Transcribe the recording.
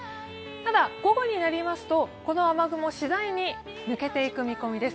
ただ、午後になりますと、この雨雲はしだいに抜けていく見込みです。